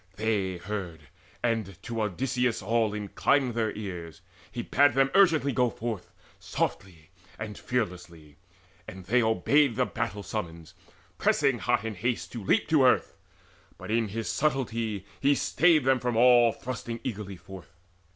They heard, and to Odysseus all inclined Their ears: he bade them urgently go forth Softly and fearlessly; and they obeyed That battle summons, pressing in hot haste To leap to earth: but in his subtlety He stayed them from all thrusting eagerly forth.